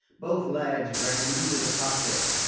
Both lads ran into the cockpit.